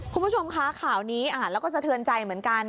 คุณผู้ชมค่ะข่าวนี้อ่ะแล้วก็เถิญใจเหมือนกัน